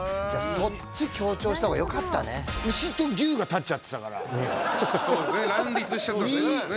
そっち強調した方がよかったね「うし」と「ぎゅう」が立っちゃってたからそうですね乱立しちゃったんですね